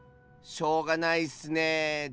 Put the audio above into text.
しょうがないッスねえ。